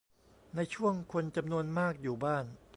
ในช่วงคนจำนวนมากอยู่บ้าน